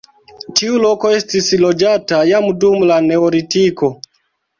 Tiu loko estis loĝata jam dum la neolitiko.